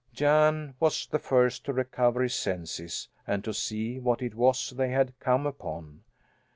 Jan was the first to recover his senses and to see what it was they had come upon.